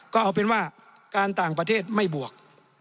ก็เอาเป็นว่าการต่างประเทศไม่บวก